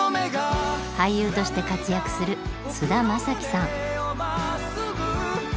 俳優として活躍する菅田将暉さん。